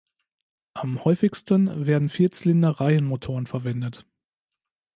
Am häufigsten werden Vierzylinder-Reihenmotoren verwendet.